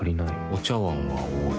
お茶碗は多い。